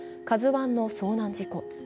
「ＫＡＺＵⅠ」の遭難事故。